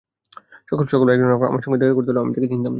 সকালবেলা একজন আগন্তুক আমার সঙ্গে দেখা করতে এল, যাকে আমি চিনতাম না।